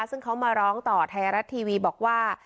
ซึ่งเขามาร้องต่อไทยรัฐทีวีบอกว่า